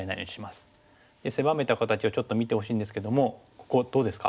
狭めた形をちょっと見てほしいんですけどもここどうですか？